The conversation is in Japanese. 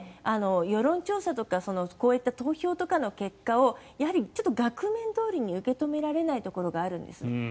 世論調査とかこういった投票とかの結果をやはりちょっと額面どおりに受け止められないところがあるんです。